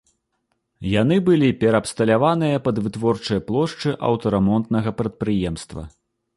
Яны былі пераабсталяваныя пад вытворчыя плошчы аўтарамонтнага прадпрыемства.